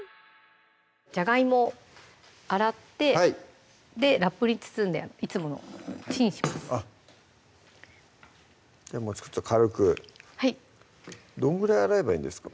じゃがいも洗ってラップに包んでいつものチンしますじゃあもう軽くどんぐらい洗えばいいんですか？